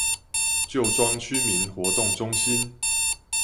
舊莊區民活動中心